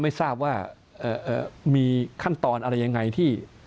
ไม่ทราบว่ามีขั้นตอนอะไรยังไงที่